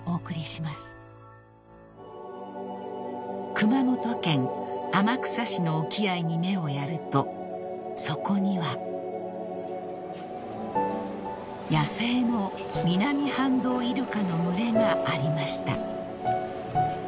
［熊本県天草市の沖合に目をやるとそこには野生のミナミハンドウイルカの群れがありました］